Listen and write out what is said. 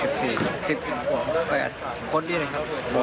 สิบสี่สิบคนดีเลยครับ